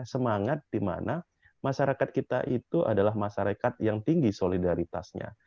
semangat dimana masyarakat kita itu adalah masyarakat yang tinggi solidaritasnya